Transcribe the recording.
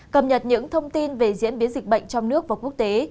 cập nhật những thông tin về diễn biến dịch bệnh trong nước và quốc tế